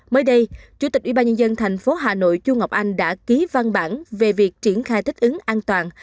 mới đây chủ tịch ubnd tp hà nội chu ngọc anh đã ký văn bản về việc triển khai thích ứng an toàn